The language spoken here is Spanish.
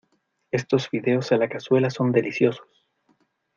Estos fideos a la cazuela son deliciosos.